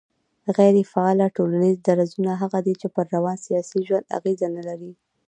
غيري فعاله ټولنيز درځونه هغه دي چي پر روان سياسي ژوند اغېز نه لري